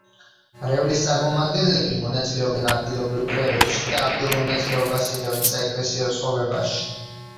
მრევლის წარმომადგენლები მონაწილეობენ ადგილობრივ კრებებში და აქტიურ მონაწილეობას იღებენ საეკლესიო ცხოვრებაში.